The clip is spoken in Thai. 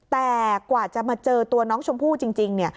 แต่กว่าจะมาเจอตัวน้องชมพู่จริงเนี่ย